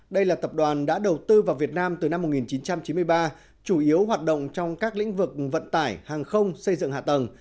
đây là tập đoàn đã đầu tư vào việt nam từ năm một nghìn chín trăm chín mươi ba chủ yếu hoạt động trong các lĩnh vực vận tải hàng không xây dựng hạ tầng